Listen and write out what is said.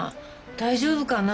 大丈夫かな？